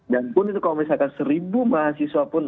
dan pun kalau misalkan seribu mahasiswa pun